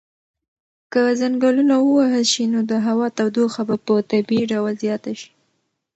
که ځنګلونه ووهل شي نو د هوا تودوخه به په طبیعي ډول زیاته شي.